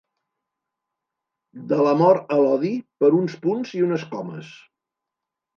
De l'amor a l'odi per uns punts i unes comes.